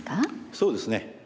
そうですね。